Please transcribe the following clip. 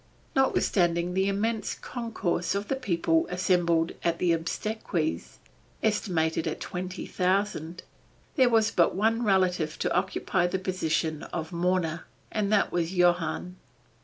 Notwithstanding the immense concourse of people assembled at the obsequies, estimated at twenty thousand, there was but one relative to occupy the position of mourner, and that was Johann.